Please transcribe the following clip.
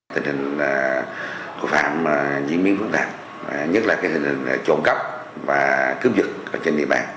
tình hình của phạm diễn biến phức tạp nhất là tình hình trộm cắp và cướp giật trên địa bàn